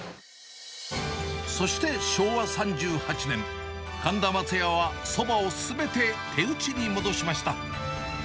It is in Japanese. そして昭和３８年、神田まつやは、そばをすべて手打ちに戻しました。